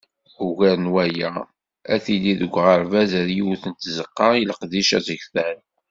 Ugar n waya, ad tili deg uɣerbaz-a yiwet n tzeqqa i leqdic asegtan.